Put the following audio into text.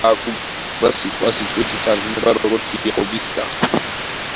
ბააქუბა სიტყვასიტყვით ითარგმნება როგორც იაკობის სახლი.